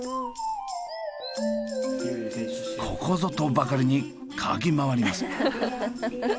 ここぞとばかりに嗅ぎ回ります。